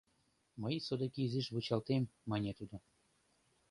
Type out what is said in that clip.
— Мый содыки изиш вучалтем, — мане тудо.